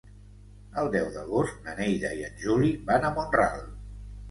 El deu d'agost na Neida i en Juli van a Mont-ral.